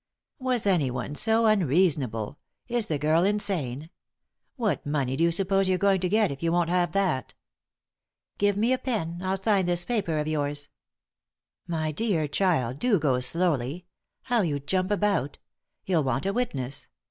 " Was anyone so unreasonable ? Is the girl in sane ? What money do you suppose you're going to get, if you won't have that ?" "Give me a pen ; I'll sign this paper of yours." "My dear child, do go slowly 1 How you jump about 1 You'll want a witness.